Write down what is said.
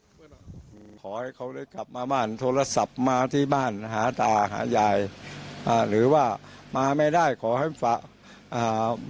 ขอให้เขาได้กลับมาบ้านโทรศัพท์มาที่บ้านหาตาหายายอ่าหรือว่ามาไม่ได้ขอให้ฝากอ่า